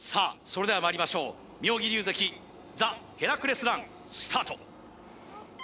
それではまいりましょう妙義龍関ザ・ヘラクレスランスタート